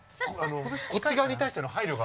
こっち側に対しての配慮が。